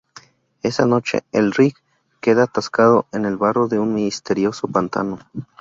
Esa noche, el Rig queda atascado en el barro de un misterioso pantano.